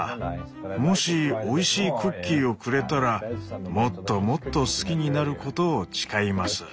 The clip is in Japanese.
もしおいしいクッキーをくれたらもっともっと好きになることを誓います。